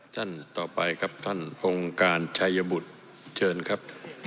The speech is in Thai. ท่านต่อไปครับท่านองค์การชัยบุตรเชิญครับ